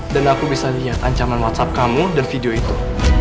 dan aku bisa lihat ancaman whatsapp kamu dan video itu